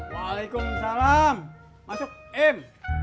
waalaikumsalam masuk im